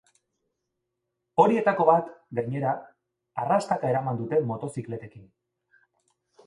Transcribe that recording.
Horietako bat, gainera, arrastaka eraman dute motozikletekin.